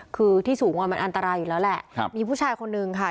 คือที่สูงอ่ะมันอันตรายอยู่แล้วแหละครับมีผู้ชายคนนึงค่ะ